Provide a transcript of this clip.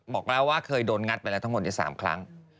บอกแล้วว่าเคยโดนงัดไปแล้วทั้งหมดใน๓ครั้ง